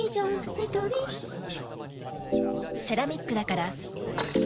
ニトリセラミックだからキズに強い